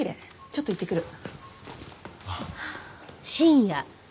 ちょっと行ってくる。